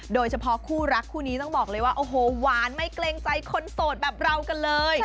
โดยเฉพาะคู่รักคู่นี้ต้องบอกเลยว่าโอ้โหหวานไม่เกรงใจคนโสดแบบเรากันเลย